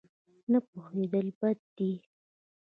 نه پوهېدل بد دی.